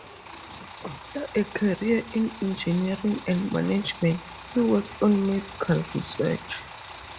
After a career in engineering and management, he worked on medical research.